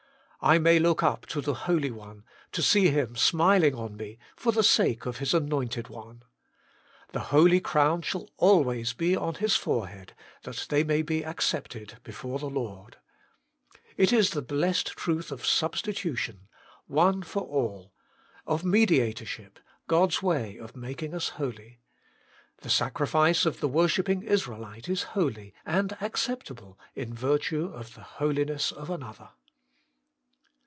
I may look up to the Holy One to see Him smiling on me, for the sake of His Anointed One. ' The holy crown shall always be on His forehead, that they may be accepted before the Lord.' It is the HOLINESS AND MEDIATION. 85 blessed truth of Substitution One for all of Medi atorship ; God's way of making us holy. The sacrifice of the worshipping Israelite is holy and acceptable in virtue of the holiness of Another.